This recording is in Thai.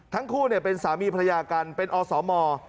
ทั้งคู่เป็นสามีภรรยากันเป็นอสม